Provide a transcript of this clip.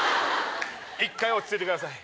１回落ち着いてください